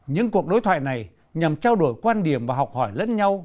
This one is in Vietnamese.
những cuộc đối thoại này nhằm trao đổi quan điểm và học hỏi lẫn nhau